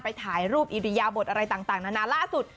ถ่ายรูปอิริยาบทอะไรต่างนานาล่าสุด